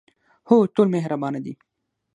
هو، ټول مهربانه دي